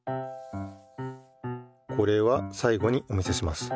これはさい後にお見せします。